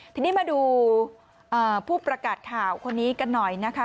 ทีนี้มาดูผู้ประกาศข่าวคนนี้กันหน่อยนะคะ